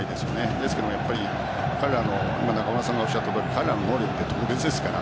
ですけど中村さんがおっしゃったとおり彼らの能力は特別ですから。